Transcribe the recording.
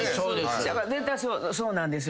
せやから絶対そうなんですよ。